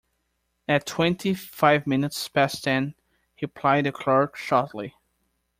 "At twenty-five minutes past ten," replied the clerk shortly.